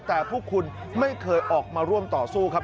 แต่พวกคุณไม่เคยออกมาร่วมต่อสู้ครับ